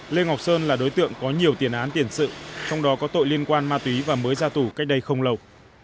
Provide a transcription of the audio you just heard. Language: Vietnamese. lê ngọc sơn là đối tượng có nhiều tiền án tiền sự trong đó có tội liên quan ma túy và mới ra tù cách đây không lâu